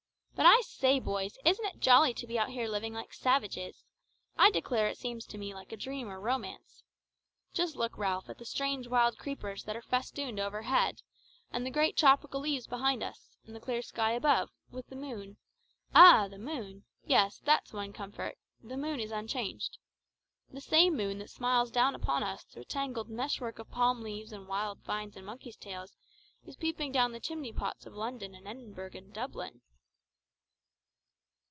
But I say, boys, isn't it jolly to be out here living like savages? I declare it seems to me like a dream or a romance. Just look, Ralph, at the strange wild creepers that are festooned overhead, and the great tropical leaves behind us, and the clear sky above, with the moon ah! the moon; yes, that's one comfort the moon is unchanged. The same moon that smiles down upon us through a tangled mesh work of palm leaves and wild vines and monkeys' tails, is peeping down the chimney pots of London and Edinburgh and Dublin!"